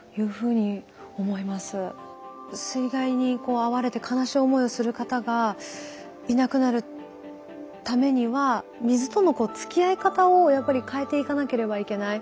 水害に遭われて悲しい思いをする方がいなくなるためには水とのつきあい方をやっぱり変えていかなければいけない。